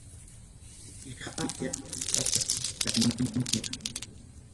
Kayqaya pasachkaniña.